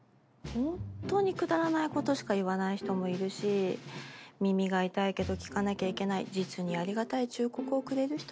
ホントにくだらないことしか言わない人もいるし耳が痛いけど聞かなきゃいけない実にありがたい忠告をくれる人もいる。